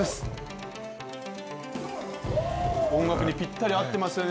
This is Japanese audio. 音楽にぴったり合ってますよね。